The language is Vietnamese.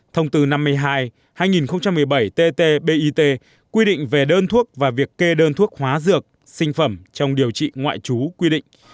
thông tư năm mươi hai hai nghìn một mươi bảy tt bit quy định về đơn thuốc và việc kê đơn thuốc hóa dược sinh phẩm trong điều trị ngoại trú quy định